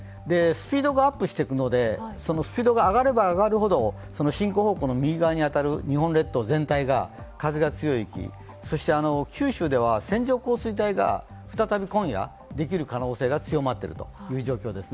スピードがアップしていくので、そのスピードが上がれば上がるほどその進行方向の右側に当たる日本列島全体が風が強い域、そして九州では線状降水帯が再び今夜できる可能性が強まっている状況です。